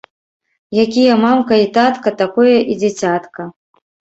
Якія мамка й татка, такое і дзіцятка.